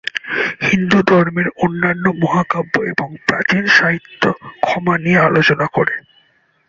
হিন্দু ধর্মের অন্যান্য মহাকাব্য এবং প্রাচীন সাহিত্য ক্ষমা নিয়ে আলোচনা করে।